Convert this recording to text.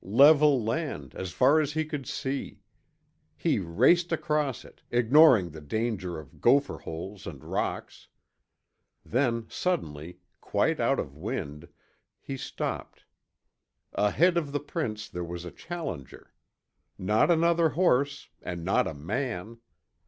Level land, as far as he could see. He raced across it, ignoring the danger of gopher holes and rocks. Then, suddenly, quite out of wind, he stopped. Ahead of the prince there was a challenger. Not another horse, and not a man.